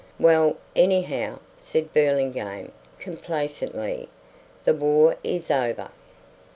"Well, anyhow," said Burlingame, complacently, "the war is over."